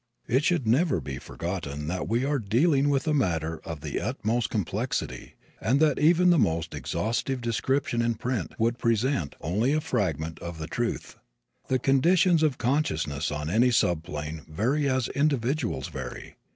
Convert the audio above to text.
It should never be forgotten that we are dealing with a matter of the utmost complexity and that even the most exhaustive description in print would present only a fragment of the truth. The conditions of consciousness on any subplane vary as individuals vary.